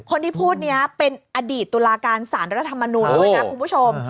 คนที่พูดนี้เป็นอดีตตุลาการสารรัฐมนูลด้วยนะคุณผู้ชม